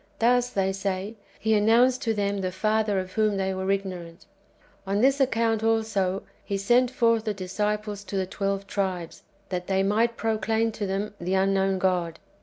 '■'' Thus, they say. He announced to them the Father of whom they Avere ignorant. On this account, also. He sent forth the disciples to the twelve tribes, that they might proclaim to them the unknown God.